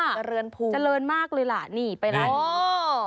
เจริญภูมิเจริญมากเลยล่ะนี่ไปร้านนี้